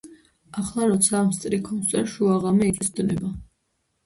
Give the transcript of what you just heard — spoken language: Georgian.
ახლა, როცა ამ სტრიქონს ვწერ, შუაღამე იწვის, დნება,